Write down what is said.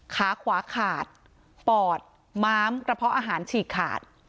ขาขวาขาดปอดม้ามกระเพาะอาหารฉีกขาด